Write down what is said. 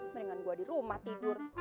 mendingan gue di rumah tidur